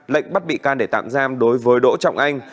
lệnh bắt bị can để tạm giam đối với đỗ trọng anh